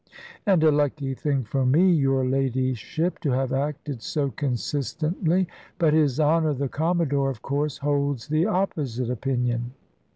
"And a lucky thing for me, your ladyship, to have acted so consistently. But his Honour the Commodore, of course, holds the opposite opinion."